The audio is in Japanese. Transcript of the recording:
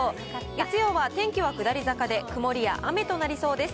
月曜は天気は下り坂で、曇りや雨となりそうです。